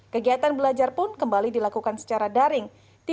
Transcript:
kegiatan belajar pun kembali dilakukan secara daring